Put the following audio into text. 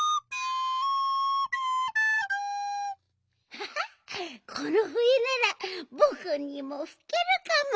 ハハッこのふえならぼくにもふけるかも！